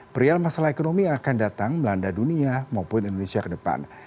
perial masalah ekonomi yang akan datang melanda dunia maupun indonesia ke depan